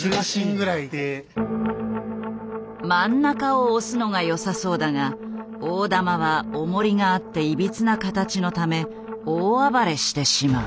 真ん中を押すのが良さそうだが大玉はおもりがあっていびつな形のため大暴れしてしまう。